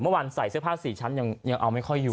ใส่เสื้อผ้าสี่ชั้นยังเอาไม่ค่อยอยู่